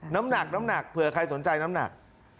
น้ำหนักเผื่อใครสนใจน้ำหนัก